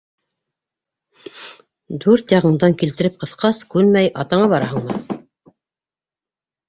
Дүрт яғыңдан килтереп ҡыҫҡас, күнмәй, атаңа бараһыңмы!